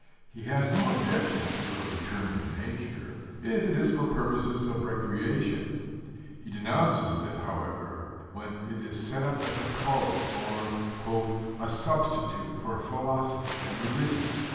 He has no objection to a "return to nature," if it is for purposes of recreation: he denounces it, however, when it is set up as a cult or "a substitute for philosophy and religion."